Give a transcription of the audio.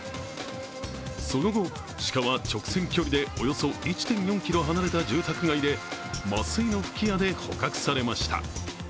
その後、シカは直線距離でおよそ１．４ｋｍ離れた住宅街で麻酔の吹き矢で捕獲されました。